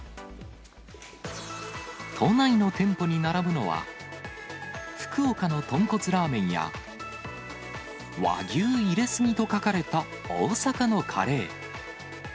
都内の店舗に並ぶのは、福岡の豚骨ラーメンや、和牛入れすぎと書かれた大阪のカレー。